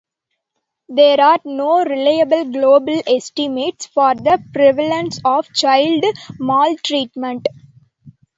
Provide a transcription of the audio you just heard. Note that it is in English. There are no reliable global estimates for the prevalence of child maltreatment.